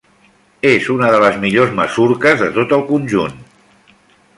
És una de les millors masurques de tot el conjunt.